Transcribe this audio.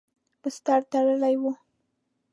بستر تړلی و.